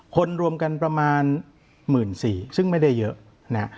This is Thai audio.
คนรวมกันประมาณหมื่นสี่ซึ่งไม่ได้เยอะนะ